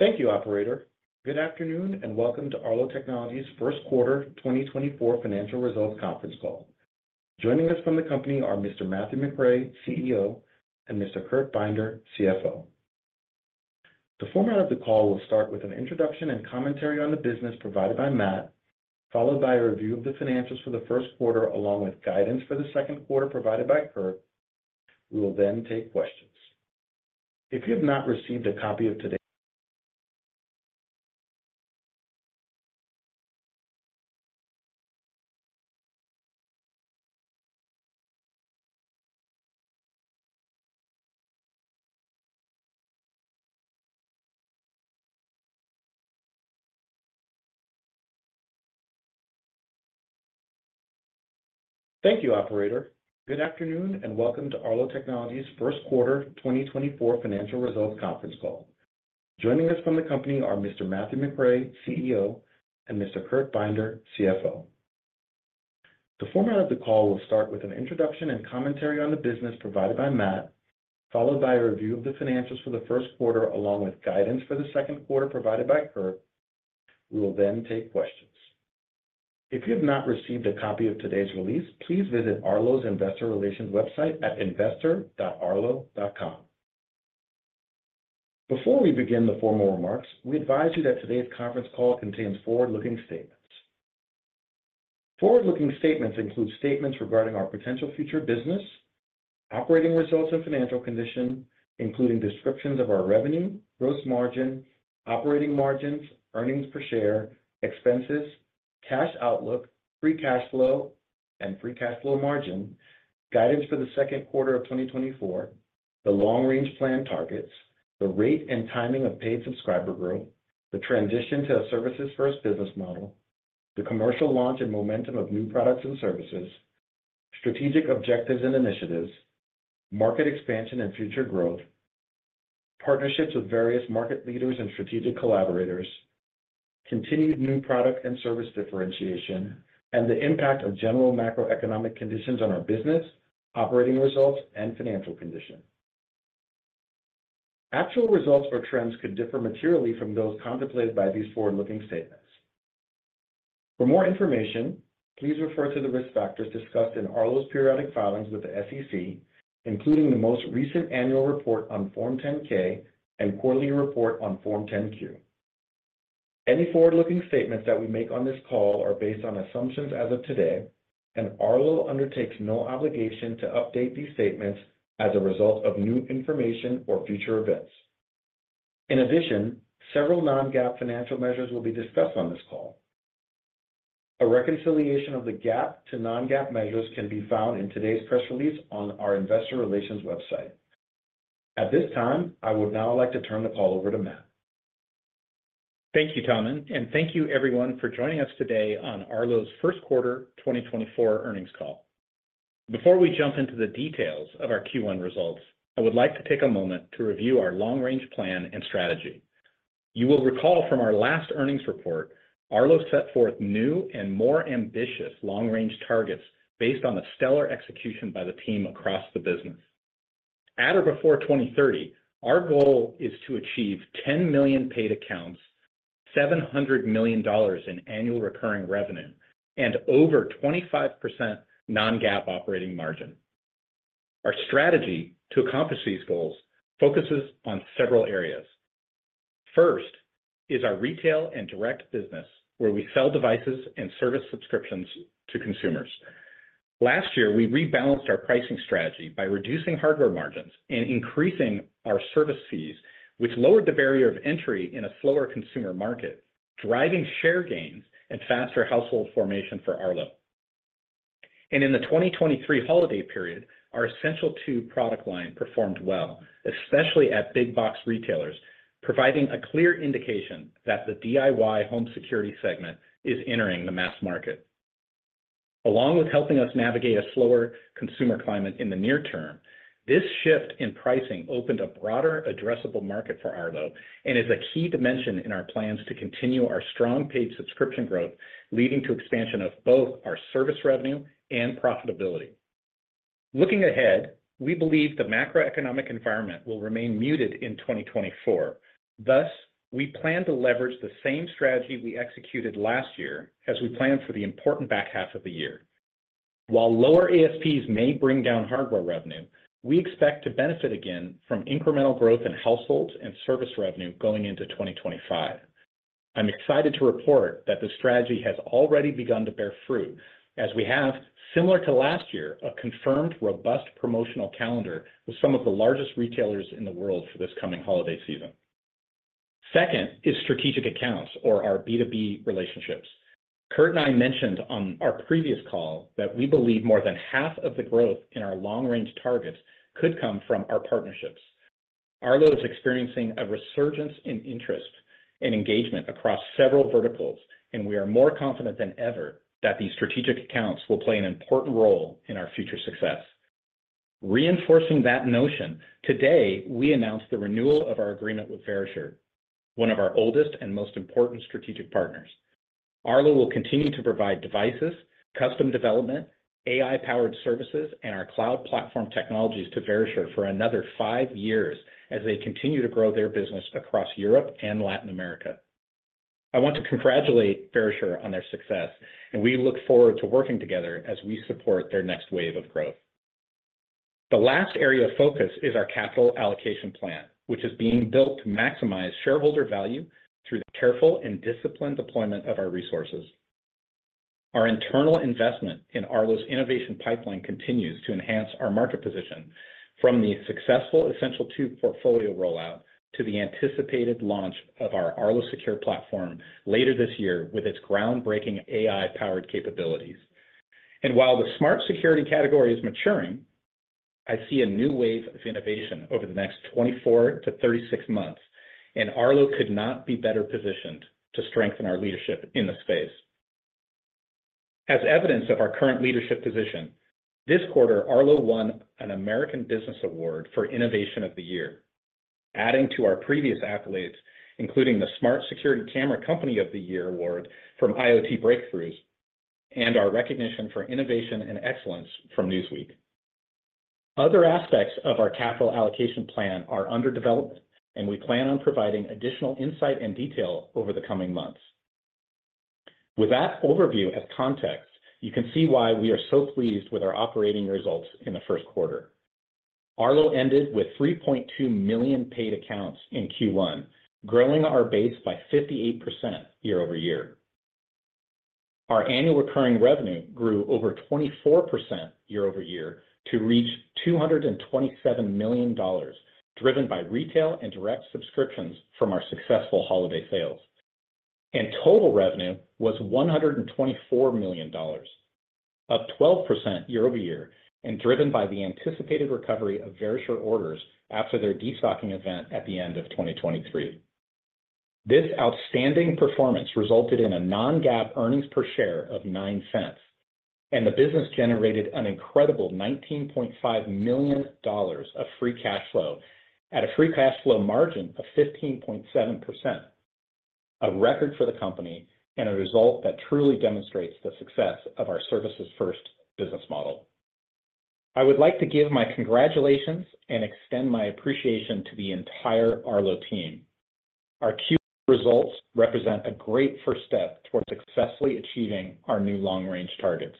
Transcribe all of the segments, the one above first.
Thank you, operator. Good afternoon and welcome to Arlo Technologies' first quarter 2024 financial results conference call. Joining us from the company are Mr. Matthew McRae, CEO, and Mr. Kurt Binder, CFO. The format of the call will start with an introduction and commentary on the business provided by Matt, followed by a review of the financials for the first quarter along with guidance for the second quarter provided by Kurt. We will then take questions. The format of the call will start with an introduction and commentary on the business provided by Matt, followed by a review of the financials for the first quarter along with guidance for the second quarter provided by Kurt. We will then take questions. If you have not received a copy of today's release, please visit Arlo's investor relations website at investor.arlo.com. Before we begin the formal remarks, we advise you that today's conference call contains forward-looking statements. Forward-looking statements include statements regarding our potential future business, operating results, and financial condition, including descriptions of our revenue, gross margin, operating margins, earnings per share, expenses, cash outlook, free cash flow, and free cash flow margin, guidance for the second quarter of 2024, the long-range plan targets, the rate and timing of paid subscriber growth, the transition to a services-first business model, the commercial launch and momentum of new products and services, strategic objectives and initiatives, market expansion and future growth, partnerships with various market leaders and strategic collaborators, continued new product and service differentiation, and the impact of general macroeconomic conditions on our business, operating results, and financial condition. Actual results or trends could differ materially from those contemplated by these forward-looking statements. For more information, please refer to the risk factors discussed in Arlo's periodic filings with the SEC, including the most recent annual report on Form 10-K and quarterly report on Form 10-Q. Any forward-looking statements that we make on this call are based on assumptions as of today, and Arlo undertakes no obligation to update these statements as a result of new information or future events. In addition, several non-GAAP financial measures will be discussed on this call. A reconciliation of the GAAP to non-GAAP measures can be found in today's press release on our investor relations website. At this time, I would now like to turn the call over to Matt. Thank you, Tahmin, and thank you, everyone, for joining us today on Arlo's first quarter 2024 earnings call. Before we jump into the details of our Q1 results, I would like to take a moment to review our long-range plan and strategy. You will recall from our last earnings report, Arlo set forth new and more ambitious long-range targets based on the stellar execution by the team across the business. At or before 2030, our goal is to achieve 10 million paid accounts, $700 million in annual recurring revenue, and over 25% non-GAAP operating margin. Our strategy to accomplish these goals focuses on several areas. First is our retail and direct business, where we sell devices and service subscriptions to consumers. Last year, we rebalanced our pricing strategy by reducing hardware margins and increasing our service fees, which lowered the barrier of entry in a slower consumer market, driving share gains and faster household formation for Arlo. In the 2023 holiday period, our Essential 2 product line performed well, especially at big-box retailers, providing a clear indication that the DIY home security segment is entering the mass market. Along with helping us navigate a slower consumer climate in the near term, this shift in pricing opened a broader addressable market for Arlo and is a key dimension in our plans to continue our strong paid subscription growth, leading to expansion of both our service revenue and profitability. Looking ahead, we believe the macroeconomic environment will remain muted in 2024. Thus, we plan to leverage the same strategy we executed last year as we plan for the important back half of the year. While lower ASPs may bring down hardware revenue, we expect to benefit again from incremental growth in households and service revenue going into 2025. I'm excited to report that the strategy has already begun to bear fruit, as we have, similar to last year, a confirmed robust promotional calendar with some of the largest retailers in the world for this coming holiday season. Second is strategic accounts, or our B2B relationships. Kurt and I mentioned on our previous call that we believe more than half of the growth in our long-range targets could come from our partnerships. Arlo is experiencing a resurgence in interest and engagement across several verticals, and we are more confident than ever that these strategic accounts will play an important role in our future success. Reinforcing that notion, today we announced the renewal of our agreement with Verisure, one of our oldest and most important strategic partners. Arlo will continue to provide devices, custom development, AI-powered services, and our cloud platform technologies to Verisure for another five years as they continue to grow their business across Europe and Latin America. I want to congratulate Verisure on their success, and we look forward to working together as we support their next wave of growth. The last area of focus is our capital allocation plan, which is being built to maximize shareholder value through the careful and disciplined deployment of our resources. Our internal investment in Arlo's innovation pipeline continues to enhance our market position from the successful Essential 2 portfolio rollout to the anticipated launch of our Arlo Secure platform later this year with its groundbreaking AI-powered capabilities. While the smart security category is maturing, I see a new wave of innovation over the next 24-36 months, and Arlo could not be better positioned to strengthen our leadership in the space. As evidence of our current leadership position, this quarter Arlo won an American Business Award for Innovation of the Year, adding to our previous accolades, including the Smart Security Camera Company of the Year Award from IoT Breakthrough and our recognition for innovation and excellence from Newsweek. Other aspects of our capital allocation plan are under development, and we plan on providing additional insight and detail over the coming months. With that overview as context, you can see why we are so pleased with our operating results in the first quarter. Arlo ended with 3.2 million paid accounts in Q1, growing our base by 58% year-over-year. Our annual recurring revenue grew over 24% year-over-year to reach $227 million, driven by retail and direct subscriptions from our successful holiday sales. And total revenue was $124 million, up 12% year-over-year and driven by the anticipated recovery of Verisure orders after their de-stocking event at the end of 2023. This outstanding performance resulted in a non-GAAP earnings per share of $0.09, and the business generated an incredible $19.5 million of free cash flow at a free cash flow margin of 15.7%, a record for the company and a result that truly demonstrates the success of our services-first business model. I would like to give my congratulations and extend my appreciation to the entire Arlo team. Our Q1 results represent a great first step toward successfully achieving our new long-range targets.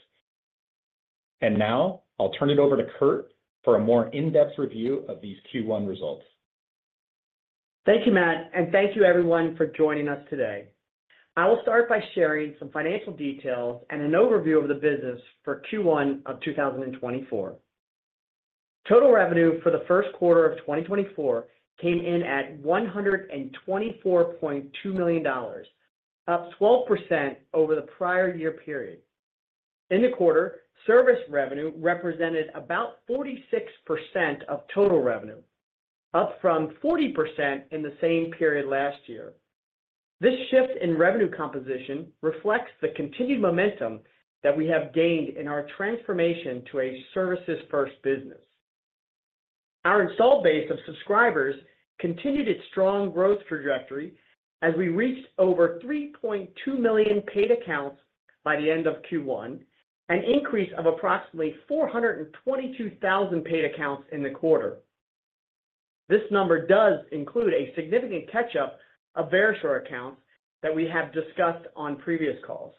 Now I'll turn it over to Kurt for a more in-depth review of these Q1 results. Thank you, Matt, and thank you, everyone, for joining us today. I will start by sharing some financial details and an overview of the business for Q1 of 2024. Total revenue for the first quarter of 2024 came in at $124.2 million, up 12% over the prior year period. In the quarter, service revenue represented about 46% of total revenue, up from 40% in the same period last year. This shift in revenue composition reflects the continued momentum that we have gained in our transformation to a services-first business. Our installed base of subscribers continued its strong growth trajectory as we reached over 3.2 million paid accounts by the end of Q1, an increase of approximately 422,000 paid accounts in the quarter. This number does include a significant catch-up of Verisure accounts that we have discussed on previous calls.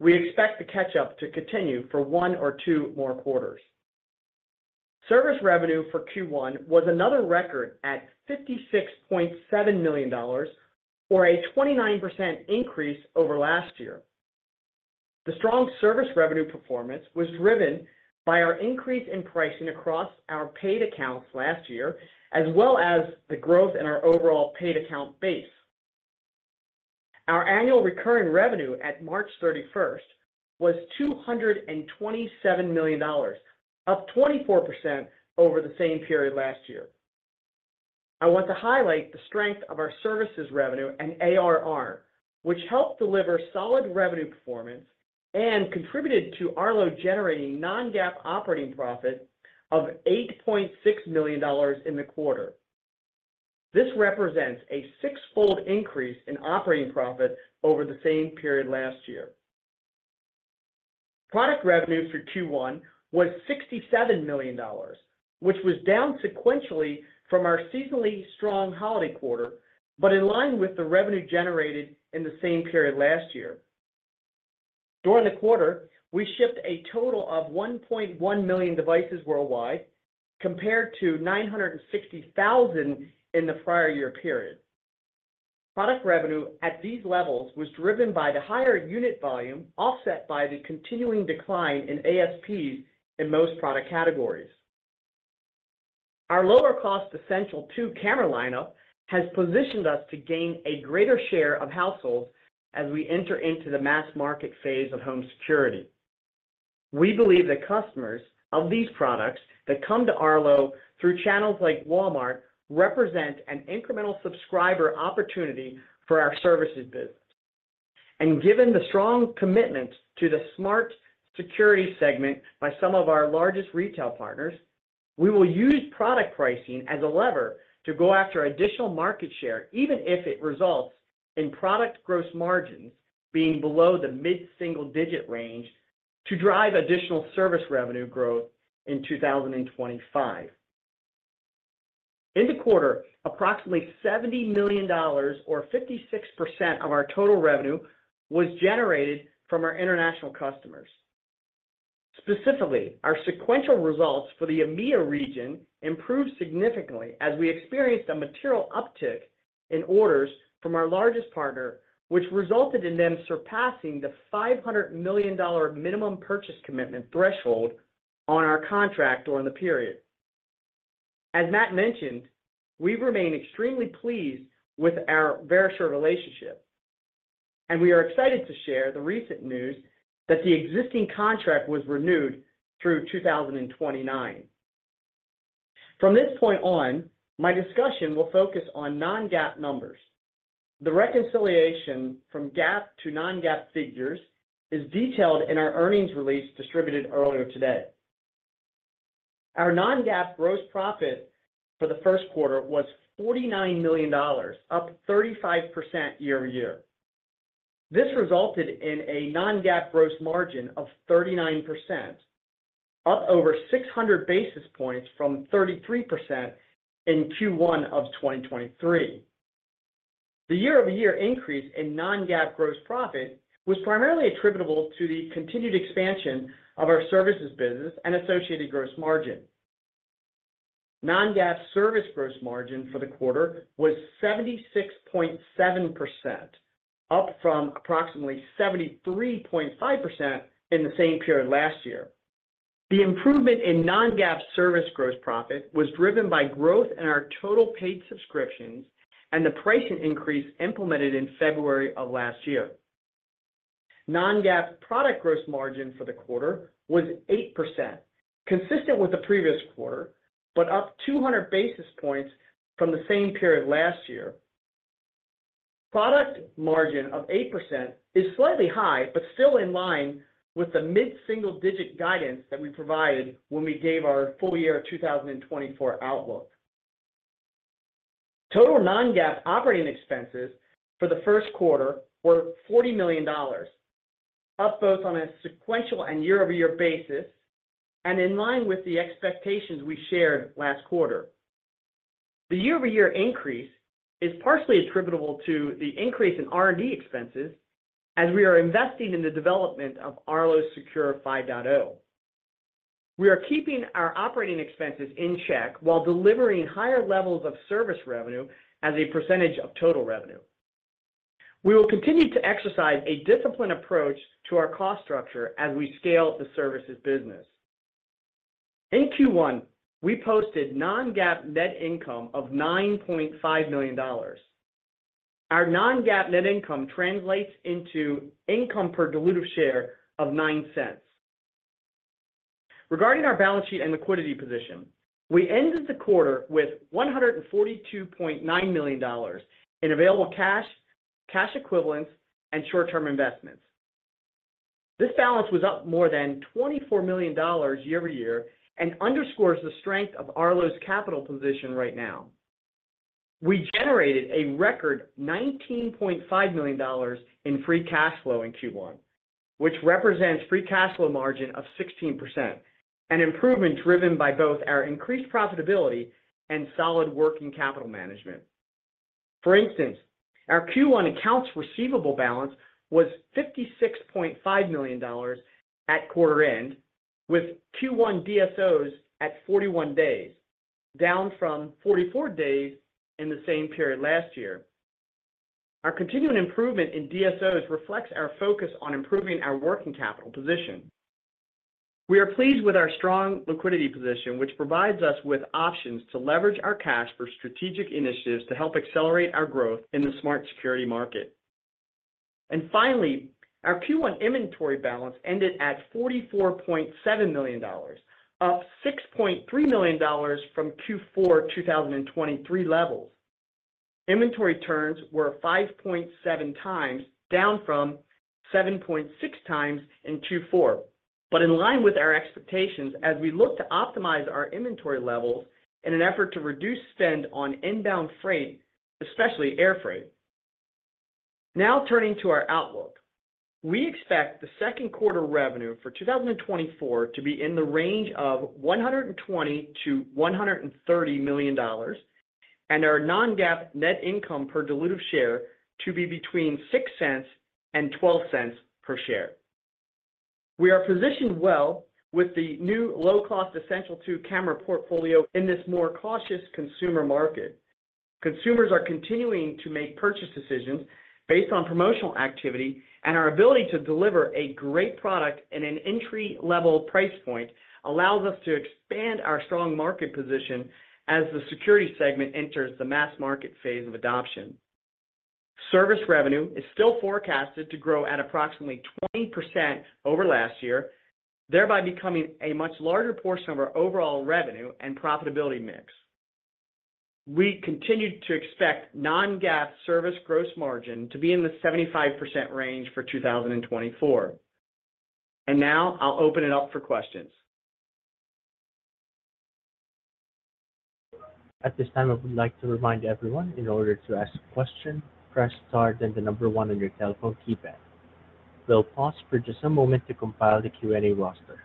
We expect the catch-up to continue for one or two more quarters. Service revenue for Q1 was another record at $56.7 million or a 29% increase over last year. The strong service revenue performance was driven by our increase in pricing across our paid accounts last year, as well as the growth in our overall paid account base. Our annual recurring revenue at March 31st was $227 million, up 24% over the same period last year. I want to highlight the strength of our services revenue and ARR, which helped deliver solid revenue performance and contributed to Arlo generating non-GAAP operating profit of $8.6 million in the quarter. This represents a six-fold increase in operating profit over the same period last year. Product revenue for Q1 was $67 million, which was down sequentially from our seasonally strong holiday quarter but in line with the revenue generated in the same period last year. During the quarter, we shipped a total of 1.1 million devices worldwide, compared to 960,000 in the prior year period. Product revenue at these levels was driven by the higher unit volume offset by the continuing decline in ASPs in most product categories. Our lower-cost Essential 2 camera lineup has positioned us to gain a greater share of households as we enter into the mass market phase of home security. We believe the customers of these products that come to Arlo through channels like Walmart represent an incremental subscriber opportunity for our services business. And given the strong commitment to the smart security segment by some of our largest retail partners, we will use product pricing as a lever to go after additional market share, even if it results in product gross margins being below the mid-single-digit range, to drive additional service revenue growth in 2025. In the quarter, approximately $70 million or 56% of our total revenue, was generated from our international customers. Specifically, our sequential results for the EMEA region improved significantly as we experienced a material uptick in orders from our largest partner, which resulted in them surpassing the $500 million minimum purchase commitment threshold on our contract during the period. As Matt mentioned, we remain extremely pleased with our Verisure relationship, and we are excited to share the recent news that the existing contract was renewed through 2029. From this point on, my discussion will focus on non-GAAP numbers. The reconciliation from GAAP to non-GAAP figures is detailed in our earnings release distributed earlier today. Our non-GAAP gross profit for the first quarter was $49 million, up 35% year-over-year. This resulted in a non-GAAP gross margin of 39%, up over 600 basis points from 33% in Q1 of 2023. The year-over-year increase in non-GAAP gross profit was primarily attributable to the continued expansion of our services business and associated gross margin. Non-GAAP service gross margin for the quarter was 76.7%, up from approximately 73.5% in the same period last year. The improvement in non-GAAP service gross profit was driven by growth in our total paid subscriptions and the pricing increase implemented in February of last year. Non-GAAP product gross margin for the quarter was 8%, consistent with the previous quarter but up 200 basis points from the same period last year. Product margin of 8% is slightly high but still in line with the mid-single-digit guidance that we provided when we gave our full-year 2024 outlook. Total non-GAAP operating expenses for the first quarter were $40 million, up both on a sequential and year-over-year basis and in line with the expectations we shared last quarter. The year-over-year increase is partially attributable to the increase in R&D expenses as we are investing in the development of Arlo Secure 5.0. We are keeping our operating expenses in check while delivering higher levels of service revenue as a percentage of total revenue. We will continue to exercise a disciplined approach to our cost structure as we scale the services business. In Q1, we posted non-GAAP net income of $9.5 million. Our non-GAAP net income translates into income per dilutive share of $0.09. Regarding our balance sheet and liquidity position, we ended the quarter with $142.9 million in available cash, cash equivalents, and short-term investments. This balance was up more than $24 million year-over-year and underscores the strength of Arlo's capital position right now. We generated a record $19.5 million in free cash flow in Q1, which represents free cash flow margin of 16%, an improvement driven by both our increased profitability and solid working capital management. For instance, our Q1 accounts receivable balance was $56.5 million at quarter end, with Q1 DSOs at 41 days, down from 44 days in the same period last year. Our continuing improvement in DSOs reflects our focus on improving our working capital position. We are pleased with our strong liquidity position, which provides us with options to leverage our cash for strategic initiatives to help accelerate our growth in the smart security market. And finally, our Q1 inventory balance ended at $44.7 million, up $6.3 million from Q4 2023 levels. Inventory turns were 5.7 times, down from 7.6 times in Q4, but in line with our expectations as we looked to optimize our inventory levels in an effort to reduce spend on inbound freight, especially air freight. Now turning to our outlook, we expect the second quarter revenue for 2024 to be in the range of $120 million-$130 million, and our non-GAAP net income per diluted share to be between $0.06 and $0.12 per share. We are positioned well with the new low-cost Essential 2 camera portfolio in this more cautious consumer market. Consumers are continuing to make purchase decisions based on promotional activity, and our ability to deliver a great product at an entry-level price point allows us to expand our strong market position as the security segment enters the mass market phase of adoption. Service revenue is still forecasted to grow at approximately 20% over last year, thereby becoming a much larger portion of our overall revenue and profitability mix. We continue to expect non-GAAP service gross margin to be in the 75% range for 2024. Now I'll open it up for questions. At this time, I would like to remind everyone, in order to ask a question, press star then the number one on your telephone keypad. We'll pause for just a moment to compile the Q&A roster.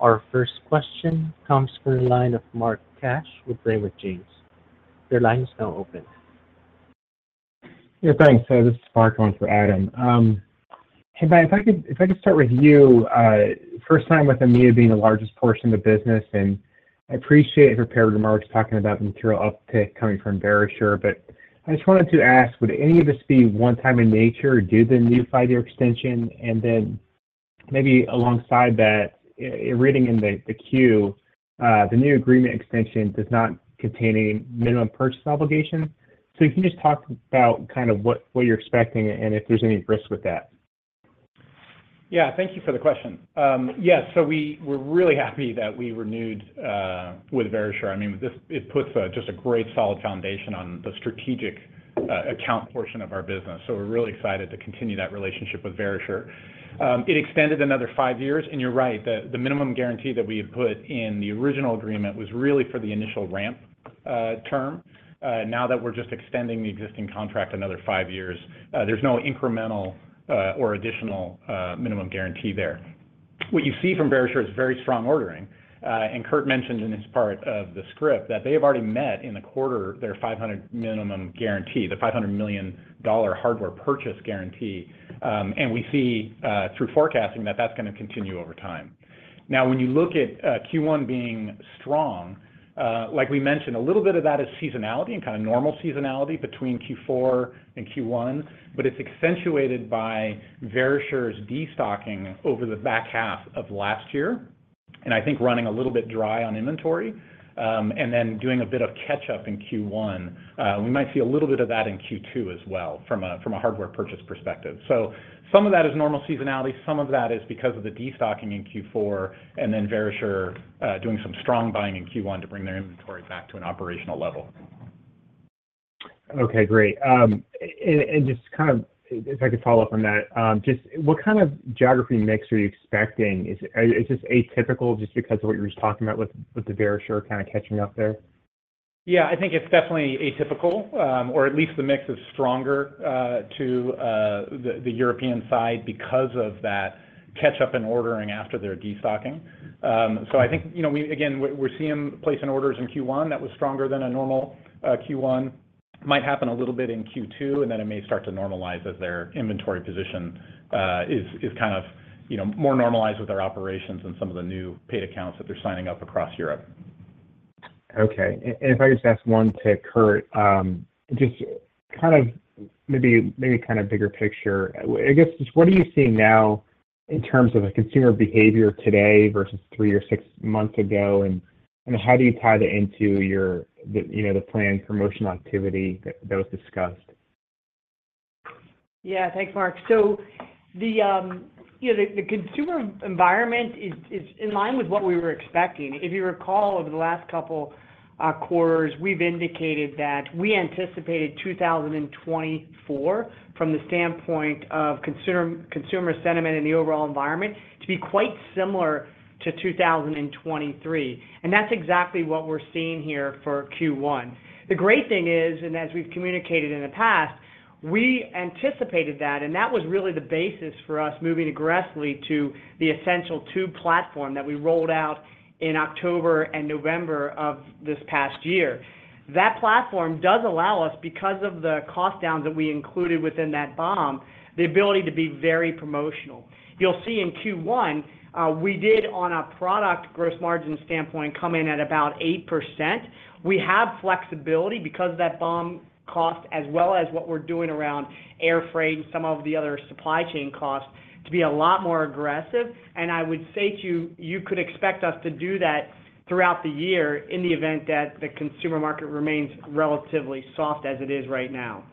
Our first question comes from the line of Mark Cash with Raymond James. Your line is now open. Yeah, thanks. This is Mark going for Adam. Hey, Matt, if I could start with you. First time with EMEA being the largest portion of the business, and I appreciate the prepared remarks talking about material uptick coming from Verisure, but I just wanted to ask, would any of this be one-time in nature due to the new five-year extension? And then maybe alongside that, reading in the queue, the new agreement extension does not contain any minimum purchase obligation. So if you can just talk about kind of what you're expecting and if there's any risk with that. Yeah, thank you for the question. Yes, so we're really happy that we renewed with Verisure. I mean, it puts just a great solid foundation on the strategic account portion of our business, so we're really excited to continue that relationship with Verisure. It extended another five years, and you're right. The minimum guarantee that we had put in the original agreement was really for the initial ramp term. Now that we're just extending the existing contract another five years, there's no incremental or additional minimum guarantee there. What you see from Verisure is very strong ordering. And Kurt mentioned in his part of the script that they have already met in the quarter their $500 million minimum guarantee, the $500 million hardware purchase guarantee, and we see through forecasting that that's going to continue over time. Now, when you look at Q1 being strong, like we mentioned, a little bit of that is seasonality and kind of normal seasonality between Q4 and Q1, but it's accentuated by Verisure's destocking over the back half of last year, and I think running a little bit dry on inventory and then doing a bit of catch-up in Q1. We might see a little bit of that in Q2 as well from a hardware purchase perspective. So some of that is normal seasonality. Some of that is because of the destocking in Q4 and then Verisure doing some strong buying in Q1 to bring their inventory back to an operational level. Okay, great. And just kind of if I could follow up on that, just what kind of geography mix are you expecting? Is this atypical just because of what you were just talking about with the Verisure kind of catching up there? Yeah, I think it's definitely atypical, or at least the mix is stronger to the European side because of that catch-up in ordering after their destocking. So I think, again, we're seeing placing orders in Q1 that was stronger than a normal Q1. Might happen a little bit in Q2, and then it may start to normalize as their inventory position is kind of more normalized with their operations and some of the new paid accounts that they're signing up across Europe. Okay. If I could just ask one tick, Kurt, just kind of maybe kind of bigger picture, I guess, just what are you seeing now in terms of consumer behavior today versus three or six months ago, and how do you tie that into the planned promotional activity that was discussed? Yeah, thanks, Mark. So the consumer environment is in line with what we were expecting. If you recall, over the last couple of quarters, we've indicated that we anticipated 2024 from the standpoint of consumer sentiment and the overall environment to be quite similar to 2023. And that's exactly what we're seeing here for Q1. The great thing is, and as we've communicated in the past, we anticipated that, and that was really the basis for us moving aggressively to the Essential 2 platform that we rolled out in October and November of this past year. That platform does allow us, because of the cost downs that we included within that BOM, the ability to be very promotional. You'll see in Q1, we did, on a product gross margin standpoint, come in at about 8%. We have flexibility because of that BOM cost as well as what we're doing around air freight and some of the other supply chain costs to be a lot more aggressive. And I would say to you, you could expect us to do that throughout the year in the event that the consumer market remains relatively soft as it is right now.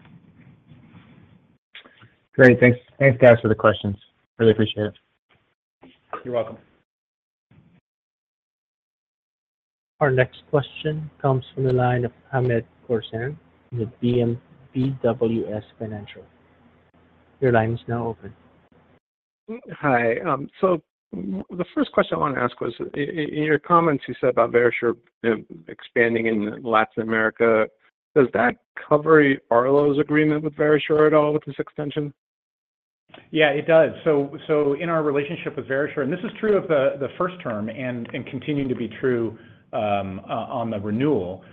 Great. Thanks to answering for the questions. Really appreciate it. You're welcome. Our next question comes from the line of Hamed Khorsand with BWS Financial. Your line is now open. Hi. So the first question I want to ask was, in your comments you said about Verisure expanding in Latin America, does that cover Arlo's agreement with Verisure at all with this extension? Yeah, it does. So in our relationship with Verisure, and this is true of the first term and continuing to be true on the renewal,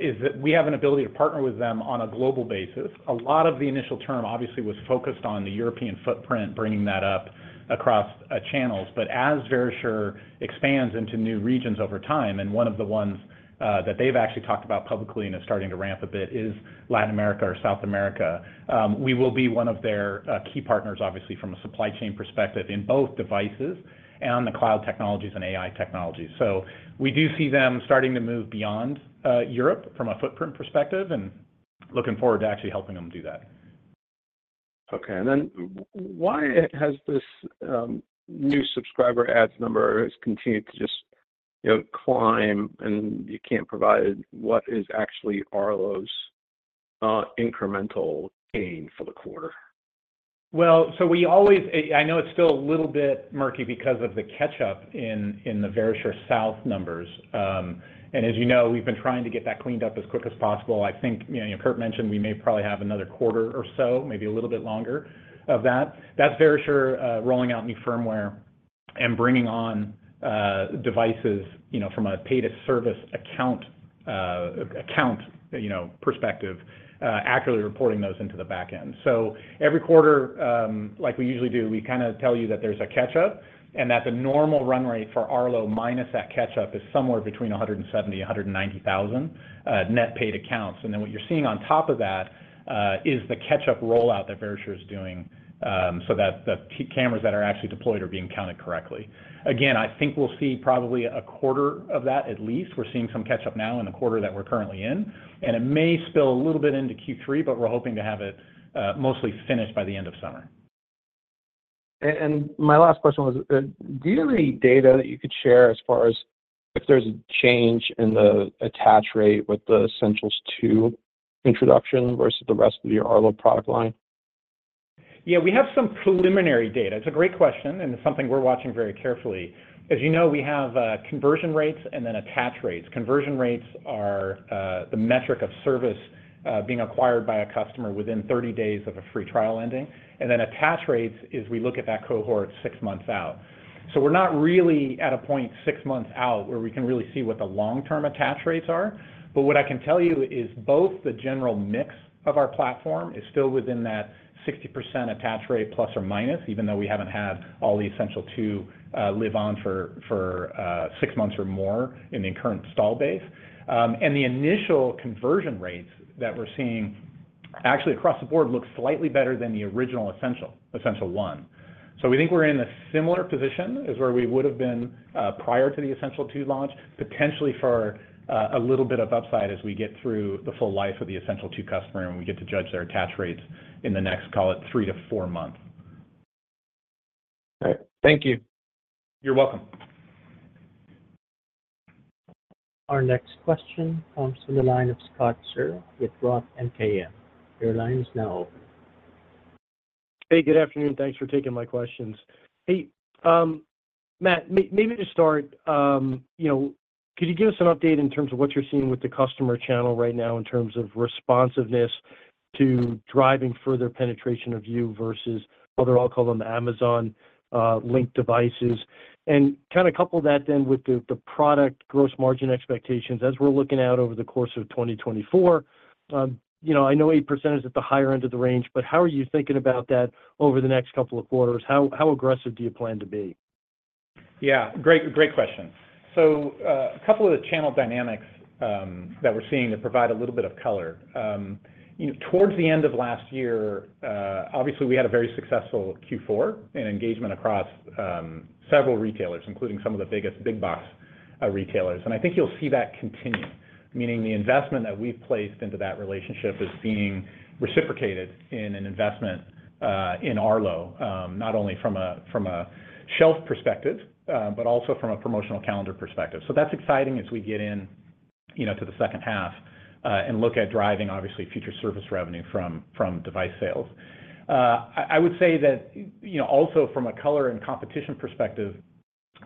is that we have an ability to partner with them on a global basis. A lot of the initial term, obviously, was focused on the European footprint, bringing that up across channels. But as Verisure expands into new regions over time, and one of the ones that they've actually talked about publicly and is starting to ramp a bit is Latin America or South America, we will be one of their key partners, obviously, from a supply chain perspective in both devices and the cloud technologies and AI technologies. So we do see them starting to move beyond Europe from a footprint perspective and looking forward to actually helping them do that. Okay. And then why has this new subscriber adds number continued to just climb, and you can't provide what is actually Arlo's incremental gain for the quarter? Well, so we always I know it's still a little bit murky because of the catch-up in the Verisure sub numbers. And as you know, we've been trying to get that cleaned up as quick as possible. I think Kurt mentioned we may probably have another quarter or so, maybe a little bit longer of that. That's Verisure rolling out new firmware and bringing on devices from a paid-to-service account perspective, accurately reporting those into the back end. So every quarter, like we usually do, we kind of tell you that there's a catch-up and that the normal run rate for Arlo minus that catch-up is somewhere between 170,000 and 190,000 net paid accounts. And then what you're seeing on top of that is the catch-up rollout that Verisure is doing so that the cameras that are actually deployed are being counted correctly. Again, I think we'll see probably a quarter of that at least. We're seeing some catch-up now in the quarter that we're currently in. It may spill a little bit into Q3, but we're hoping to have it mostly finished by the end of summer. My last question was, do you have any data that you could share as far as if there's a change in the attach rate with the Essential 2 introduction versus the rest of your Arlo product line? Yeah, we have some preliminary data. It's a great question, and it's something we're watching very carefully. As you know, we have conversion rates and then attach rates. Conversion rates are the metric of service being acquired by a customer within 30 days of a free trial ending. And then attach rates is we look at that cohort six months out. So we're not really at a point six months out where we can really see what the long-term attach rates are. But what I can tell you is both the general mix of our platform is still within that 60% attach rate plus or minus, even though we haven't had all the Essential 2 live on for six months or more in the current installed base. And the initial conversion rates that we're seeing, actually, across the board look slightly better than the original Essential 1. So we think we're in a similar position as where we would have been prior to the Essential 2 launch, potentially for a little bit of upside as we get through the full life of the Essential 2 customer and we get to judge their attach rates in the next, call it, three to four months. All right. Thank you. You're welcome. Our next question comes from the line of Scott Searle with Roth MKM. Your line is now open. Hey, good afternoon. Thanks for taking my questions. Hey, Matt, maybe to start, could you give us an update in terms of what you're seeing with the customer channel right now in terms of responsiveness to driving further penetration of you versus other, I'll call them, Amazon-linked devices? And kind of couple that then with the product gross margin expectations as we're looking out over the course of 2024. I know 8% is at the higher end of the range, but how are you thinking about that over the next couple of quarters? How aggressive do you plan to be? Yeah, great question. So a couple of the channel dynamics that we're seeing to provide a little bit of color. Towards the end of last year, obviously, we had a very successful Q4 and engagement across several retailers, including some of the biggest big-box retailers. And I think you'll see that continue, meaning the investment that we've placed into that relationship is being reciprocated in an investment in Arlo, not only from a shelf perspective but also from a promotional calendar perspective. So that's exciting as we get into the second half and look at driving, obviously, future service revenue from device sales. I would say that also from a color and competition perspective,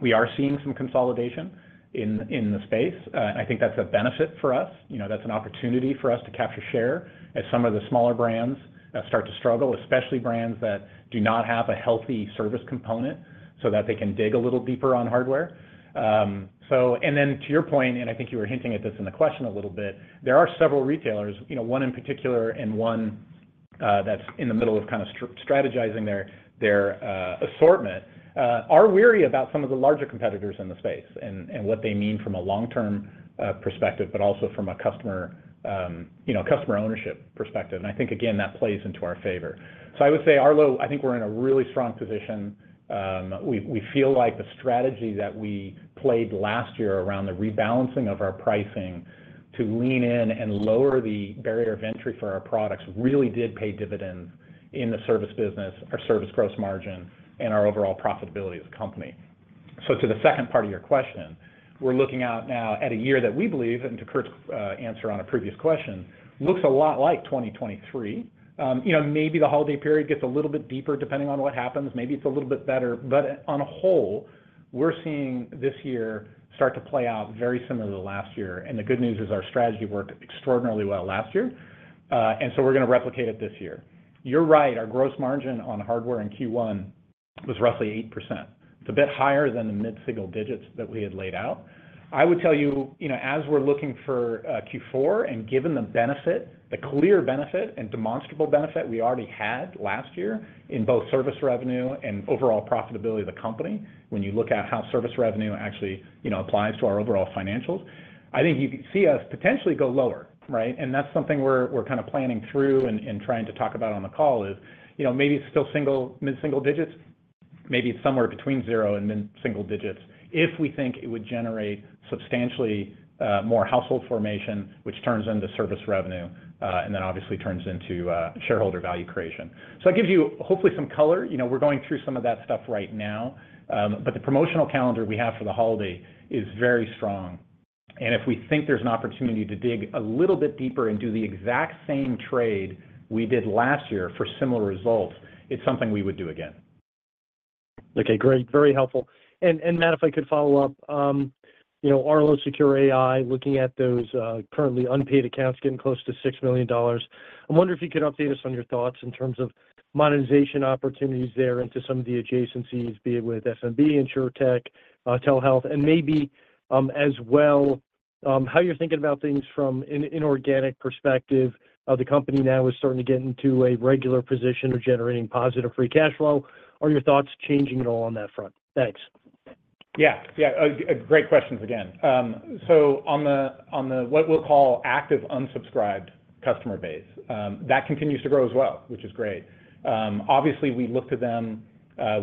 we are seeing some consolidation in the space, and I think that's a benefit for us. That's an opportunity for us to capture share as some of the smaller brands start to struggle, especially brands that do not have a healthy service component so that they can dig a little deeper on hardware. And then to your point, and I think you were hinting at this in the question a little bit, there are several retailers, one in particular and one that's in the middle of kind of strategizing their assortment, are wary about some of the larger competitors in the space and what they mean from a long-term perspective but also from a customer ownership perspective. And I think, again, that plays into our favor. So I would say Arlo, I think we're in a really strong position. We feel like the strategy that we played last year around the rebalancing of our pricing to lean in and lower the barrier of entry for our products really did pay dividends in the service business, our service gross margin, and our overall profitability as a company. So to the second part of your question, we're looking out now at a year that we believe, and to Kurt's answer on a previous question, looks a lot like 2023. Maybe the holiday period gets a little bit deeper depending on what happens. Maybe it's a little bit better. But as a whole, we're seeing this year start to play out very similar to last year. And the good news is our strategy worked extraordinarily well last year, and so we're going to replicate it this year. You're right. Our gross margin on hardware in Q1 was roughly 8%. It's a bit higher than the mid-single digits that we had laid out. I would tell you, as we're looking for Q4 and given the benefit, the clear benefit and demonstrable benefit we already had last year in both service revenue and overall profitability of the company, when you look at how service revenue actually applies to our overall financials, I think you could see us potentially go lower, right? And that's something we're kind of planning through and trying to talk about on the call is maybe it's still mid-single digits. Maybe it's somewhere between zero and mid-single digits if we think it would generate substantially more household formation, which turns into service revenue and then, obviously, turns into shareholder value creation. So that gives you, hopefully, some color. We're going through some of that stuff right now, but the promotional calendar we have for the holiday is very strong. And if we think there's an opportunity to dig a little bit deeper and do the exact same trade we did last year for similar results, it's something we would do again. Okay, great. Very helpful. And Matt, if I could follow up, Arlo Secure AI, looking at those currently unpaid accounts getting close to $6 million. I wonder if you could update us on your thoughts in terms of monetization opportunities there into some of the adjacencies, be it with SMB, InsureTech, Telehealth, and maybe as well how you're thinking about things from an inorganic perspective. The company now is starting to get into a regular position of generating positive free cash flow. Are your thoughts changing at all on that front? Thanks. Yeah. Yeah. Great questions again. So on the what we'll call active unsubscribed customer base, that continues to grow as well, which is great. Obviously, we look to them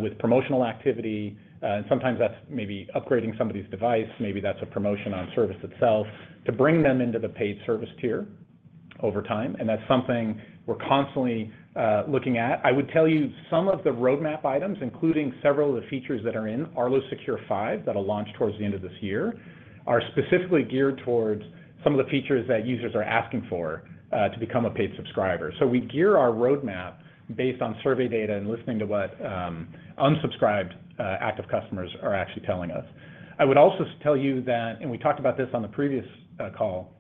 with promotional activity. And sometimes that's maybe upgrading somebody's device. Maybe that's a promotion on service itself to bring them into the paid service tier over time. And that's something we're constantly looking at. I would tell you some of the roadmap items, including several of the features that are in Arlo Secure 5 that will launch towards the end of this year, are specifically geared towards some of the features that users are asking for to become a paid subscriber. So we gear our roadmap based on survey data and listening to what unsubscribed active customers are actually telling us. I would also tell you that, and we talked about this on the previous call,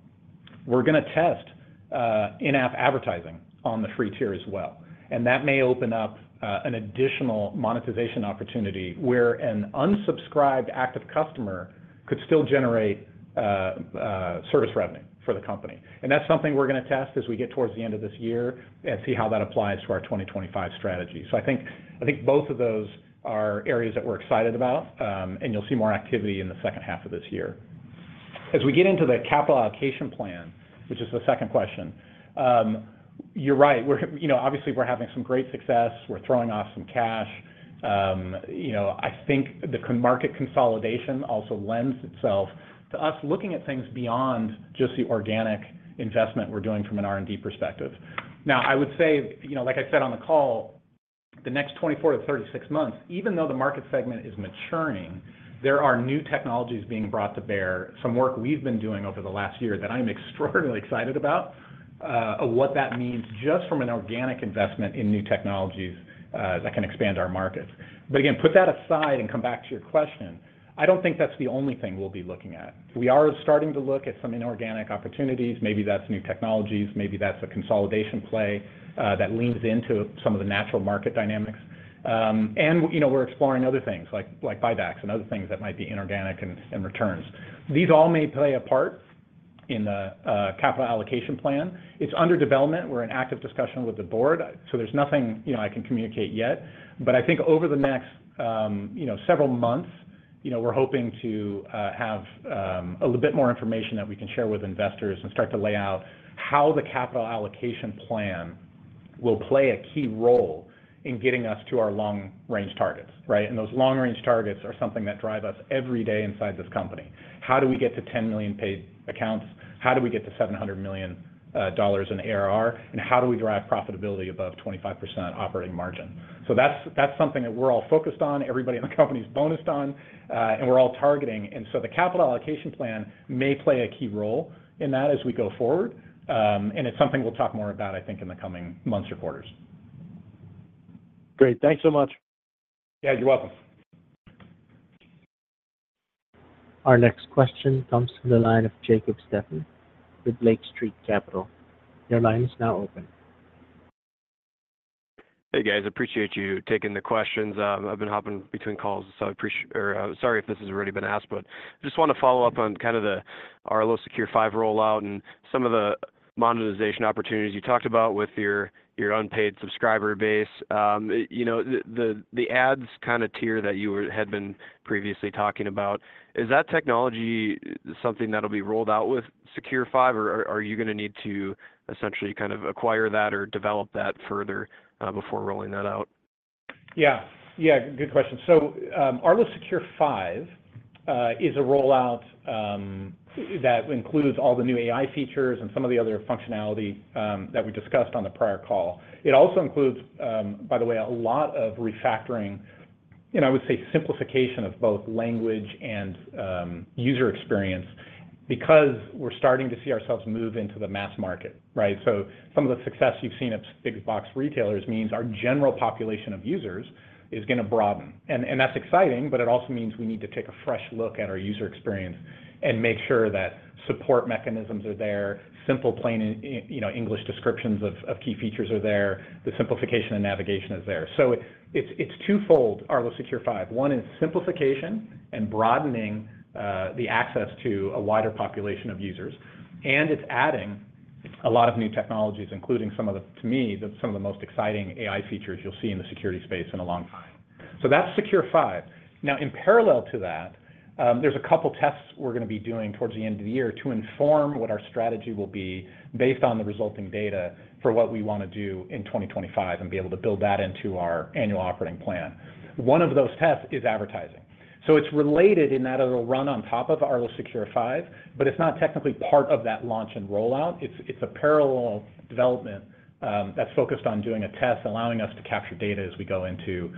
we're going to test in-app advertising on the free tier as well. That may open up an additional monetization opportunity where an unsubscribed active customer could still generate service revenue for the company. That's something we're going to test as we get towards the end of this year and see how that applies to our 2025 strategy. I think both of those are areas that we're excited about, and you'll see more activity in the second half of this year. As we get into the capital allocation plan, which is the second question, you're right. Obviously, we're having some great success. We're throwing off some cash. I think the market consolidation also lends itself to us looking at things beyond just the organic investment we're doing from an R&D perspective. Now, I would say, like I said on the call, the next 24-36 months, even though the market segment is maturing, there are new technologies being brought to bear, some work we've been doing over the last year that I'm extraordinarily excited about, of what that means just from an organic investment in new technologies that can expand our markets. But again, put that aside and come back to your question. I don't think that's the only thing we'll be looking at. We are starting to look at some inorganic opportunities. Maybe that's new technologies. Maybe that's a consolidation play that leans into some of the natural market dynamics. And we're exploring other things like buybacks and other things that might be inorganic and returns. These all may play a part in the capital allocation plan. It's under development. We're in active discussion with the board. There's nothing I can communicate yet. But I think over the next several months, we're hoping to have a little bit more information that we can share with investors and start to lay out how the capital allocation plan will play a key role in getting us to our long-range targets, right? Those long-range targets are something that drive us every day inside this company. How do we get to 10 million paid accounts? How do we get to $700 million in ARR? And how do we drive profitability above 25% operating margin? That's something that we're all focused on, everybody in the company is bonused on, and we're all targeting. The capital allocation plan may play a key role in that as we go forward. It's something we'll talk more about, I think, in the coming months or quarters. Great. Thanks so much. Yeah, you're welcome. Our next question comes from the line of Jacob Stephan with Lake Street Capital. Your line is now open. Hey, guys. Appreciate you taking the questions. I've been hopping between calls, so I appreciate or sorry if this has already been asked, but I just want to follow up on kind of the Arlo Secure 5 rollout and some of the monetization opportunities you talked about with your unpaid subscriber base. The ads kind of tier that you had been previously talking about, is that technology something that'll be rolled out with Secure 5, or are you going to need to essentially kind of acquire that or develop that further before rolling that out? Yeah. Yeah. Good question. So Arlo Secure 5 is a rollout that includes all the new AI features and some of the other functionality that we discussed on the prior call. It also includes, by the way, a lot of refactoring, and I would say simplification of both language and user experience because we're starting to see ourselves move into the mass market, right? So some of the success you've seen at big-box retailers means our general population of users is going to broaden. And that's exciting, but it also means we need to take a fresh look at our user experience and make sure that support mechanisms are there. Simple, plain English descriptions of key features are there. The simplification and navigation is there. So it's twofold, Arlo Secure 5. One is simplification and broadening the access to a wider population of users. And it's adding a lot of new technologies, including some of the, to me, some of the most exciting AI features you'll see in the security space in a long time. So that's Secure 5. Now, in parallel to that, there's a couple of tests we're going to be doing towards the end of the year to inform what our strategy will be based on the resulting data for what we want to do in 2025 and be able to build that into our annual operating plan. One of those tests is advertising. So it's related in that it'll run on top of Arlo Secure 5, but it's not technically part of that launch and rollout. It's a parallel development that's focused on doing a test allowing us to capture data as we go into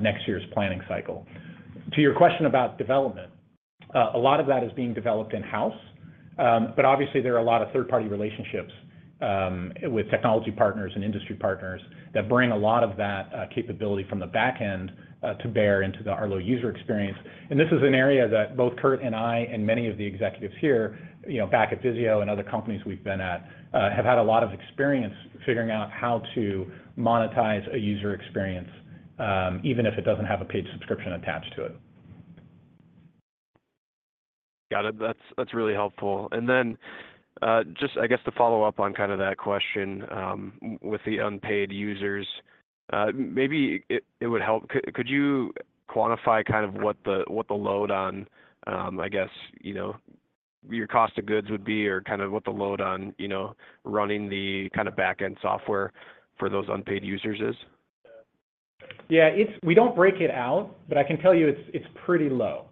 next year's planning cycle. To your question about development, a lot of that is being developed in-house. Obviously, there are a lot of third-party relationships with technology partners and industry partners that bring a lot of that capability from the backend to bear into the Arlo user experience. This is an area that both Kurt and I and many of the executives here back at VIZIO and other companies we've been at have had a lot of experience figuring out how to monetize a user experience even if it doesn't have a paid subscription attached to it. Got it. That's really helpful. Then just, I guess, to follow up on kind of that question with the unpaid users, maybe it would help. Could you quantify kind of what the load on, I guess, your cost of goods would be or kind of what the load on running the kind of backend software for those unpaid users is? Yeah. We don't break it out, but I can tell you it's pretty low.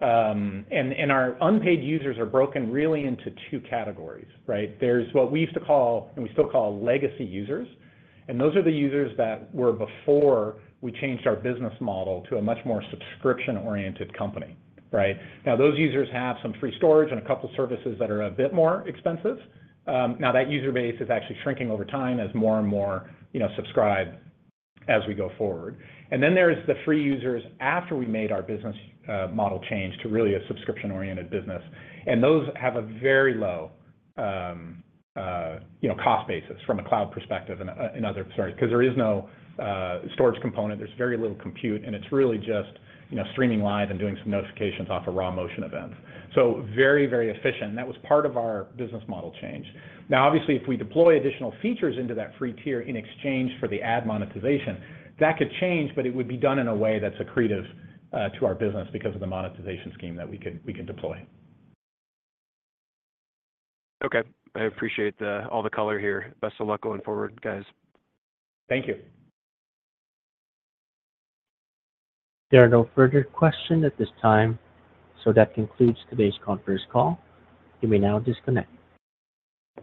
Our unpaid users are broken really into two categories, right? There's what we used to call and we still call legacy users. Those are the users that were before we changed our business model to a much more subscription-oriented company, right? Now, those users have some free storage and a couple of services that are a bit more expensive. Now, that user base is actually shrinking over time as more and more subscribe as we go forward. Then there's the free users after we made our business model change to really a subscription-oriented business. Those have a very low cost basis from a cloud perspective and other sorry, because there is no storage component. There's very little compute, and it's really just streaming live and doing some notifications off of raw motion events. So very, very efficient. And that was part of our business model change. Now, obviously, if we deploy additional features into that free tier in exchange for the ad monetization, that could change, but it would be done in a way that's accretive to our business because of the monetization scheme that we can deploy. Okay. I appreciate all the color here. Best of luck going forward, guys. Thank you. There are no further questions at this time. So that concludes today's conference call. You may now disconnect.